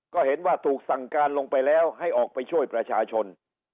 ก็เห็นว่าถูกสั่งการลงไปแล้วให้ออกไปช่วยประชาชน